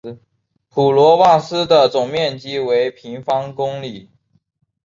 普罗旺斯的总面积为平方公里。